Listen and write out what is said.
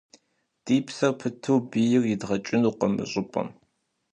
Ди псэр пыту бийр идгъэкӏынукъым мы щӏыпӏэм.